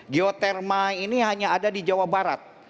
geoterma ini hanya ada di jawa barat